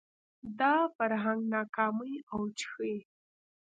دا فرهنګ ناکامۍ اوج ښيي